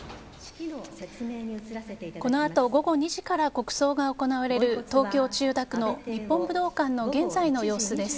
このあと午後２時から国葬が行われる東京・千代田区の日本武道館の現在の様子です。